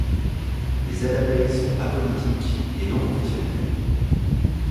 Les Adapei sont apolitiques et non confessionnelles.